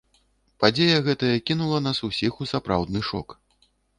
Падзея гэтая кінула нас усіх у сапраўдны шок.